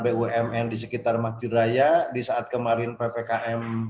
bumn di sekitar masjid raya di saat kemarin ppkm sudah melakukan peralatan di berempat maksimal dan